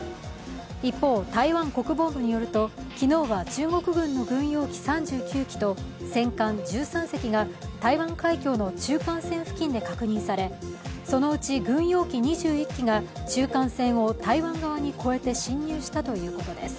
一方、台湾国防部によると昨日は中国軍の軍用機３９機と戦艦１３隻が台湾海峡の中間線付近で確認されそのうち軍用機２１機が中間線を台湾側に越えて進入したということです。